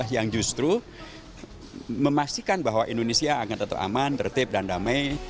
yang justru memastikan bahwa indonesia akan tetap aman tertib dan damai